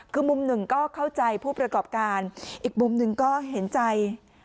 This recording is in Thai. คือมุมหนึ่งก็เข้าใจผู้ประกอบการอีกมุมหนึ่งก็เห็นใจ